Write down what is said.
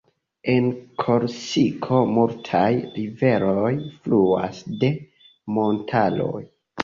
En Korsiko multaj riveroj fluas de montaroj.